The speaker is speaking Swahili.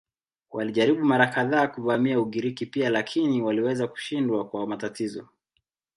Walijaribu mara kadhaa kuvamia Ugiriki pia lakini waliweza kushindwa kwa matatizo.